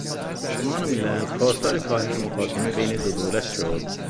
سازمان ملل خواستار کاهش مخاصمه بین دو دولت شد